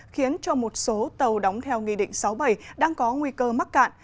khiến cho một số tàu đóng theo nghị định sáu bảy đang có nguy cơ mắc cạn